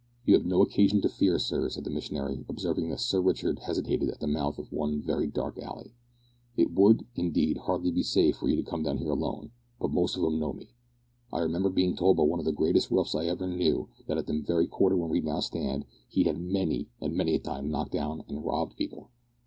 "You have no occasion to fear, sir," said the missionary, observing that Sir Richard hesitated at the mouth of one very dark alley. "It would, indeed, hardly be safe were you to come down here alone, but most of 'em know me. I remember being told by one of the greatest roughs I ever knew that at the very corner where we now stand he had many and many a time knocked down and robbed people.